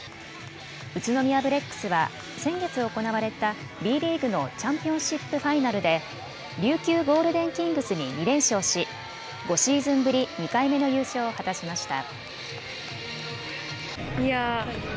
宇都宮ブレックスは先月行われたＢリーグのチャンピオンシップファイナルで琉球ゴールデンキングスに２連勝し５シーズンぶり２回目の優勝を果たしました。